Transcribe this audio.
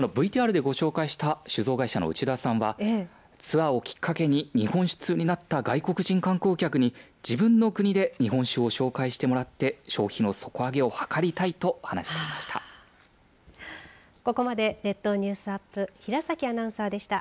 ＶＴＲでご紹介した酒造会社の内田さんはツアーをきっかけに日本酒通になった外国人観光客に自分の国で日本酒を紹介してもらって消費の底上げを図りたいと話していました。